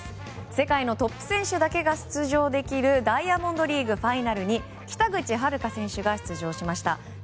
世界のトップ選手だけが出場できるダイヤモンドリーグファイナルに北口榛花選手が出場しました。